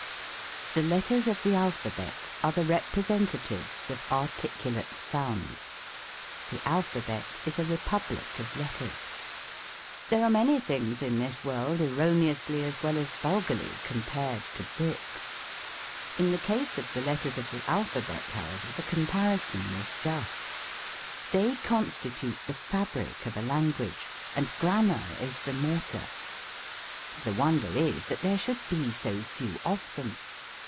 The letters of the Alphabet are the representatives of articulate sounds. The Alphabet is a Republic«of Letters. 10 THE COMIC ENGLISH GRAMMAR. There are many things in this world erroneously as well as vulgarly compared to " bricks." In the case of the letters of the Alphabet, however, the compari son is just; they constitute the fabric of a language, and grammar is the mortar. The wonder is that there should be so few of them.